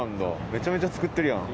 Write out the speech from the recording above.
めちゃめちゃ作ってるやん。